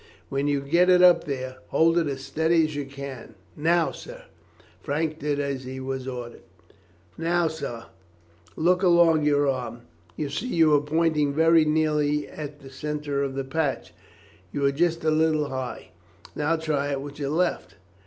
When you get it up there, hold it as steady as you can. Now, sir!" Frank did as he was ordered. "Now, sir, look along your arm. You see you are pointing very nearly at the centre of the patch. You are just a little high. Now try it with your left.